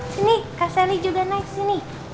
sini kak selly juga naik sini